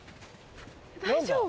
大丈夫？